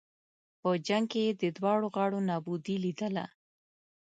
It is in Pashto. په جنګ کې یې د دواړو غاړو نابودي لېدله.